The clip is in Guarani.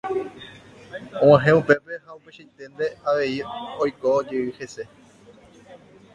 Og̃uahẽ upépe ha upeichaiténte avei oikojey hese.